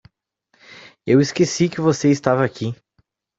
Eu esqueci que você estava aqui.